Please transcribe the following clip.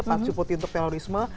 pasir putih untuk terorisme